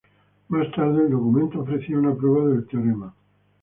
Más tarde, el documento ofrecía una prueba del teorema.